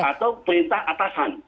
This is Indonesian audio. atau perintah atasan